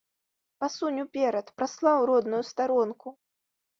Пасунь уперад, праслаў родную старонку.